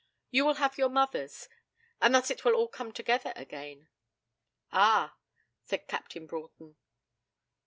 You will have your mother's, and thus it will all come together again.' 'Ah!' said Captain Broughton.